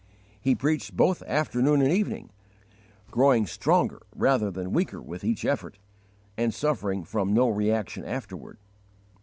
He preached both afternoon and evening, growing stronger rather than weaker with each effort, and suffering from no reaction afterward.